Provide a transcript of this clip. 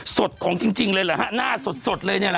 สดของจริงจริงเลยเหรอหน้าสดเลยนี่เหรอ